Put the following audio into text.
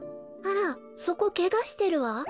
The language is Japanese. あらそこけがしてるわ。